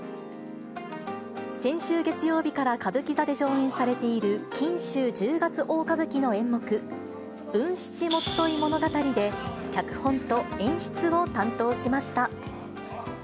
先週月曜日から歌舞伎座で上演されている、錦秋十月大歌舞伎の演目、文七元結物語で脚本と演出を担当しました。